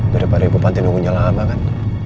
daripada ibu panti nunggu nyala banget